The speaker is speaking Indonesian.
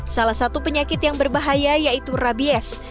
salah satu penyakit yang berbahaya yaitu rabies